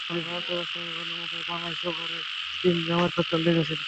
আবার ভারতের রাষ্ট্রপতি প্রণব মুখার্জির বাংলাদেশ সফরের দিন জামায়াত হরতাল ডেকেছিল।